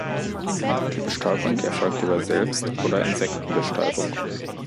Die Bestäubung erfolgt über Selbst- oder Insektenbestäubung.